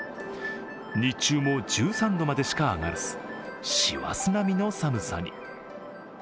日中も１３度までしか上がらず師走並みの寒さに。